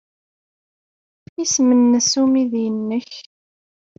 Isem-nnes umidi-nnek?